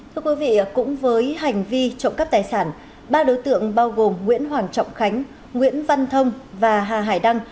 thưa quý vị cũng với hành vi trộm cắp tài sản ba đối tượng bao gồm nguyễn hoàng trọng khánh nguyễn văn thông và hà hải đăng